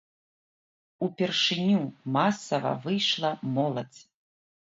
Упершыню масава выйшла моладзь.